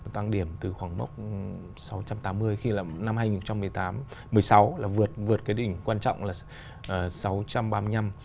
tăng điểm từ khoảng mốc sáu trăm tám mươi khi là năm hai nghìn một mươi tám một mươi sáu là vượt cái đỉnh quan trọng là sáu trăm ba mươi năm